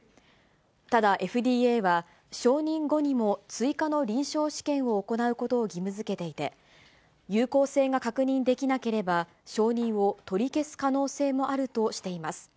ただ、ＦＤＡは承認後にも追加の臨床試験を行うことを義務づけていて、有効性が確認できなければ、承認を取り消す可能性もあるとしています。